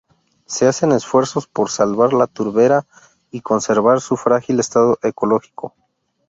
Se hacen esfuerzos por salvar la turbera y conservar su frágil estado ecológico.